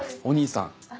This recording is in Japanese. お兄さん。